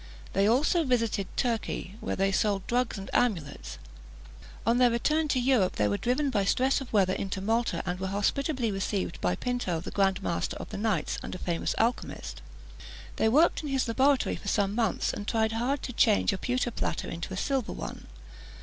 They also visited Turkey, where they sold drugs and amulets. On their return to Europe, they were driven by stress of weather into Malta, and were hospitably received by Pinto, the Grand Master of the Knights, and a famous alchymist. They worked in his laboratory for some months, and tried hard to change a pewter platter into a silver one.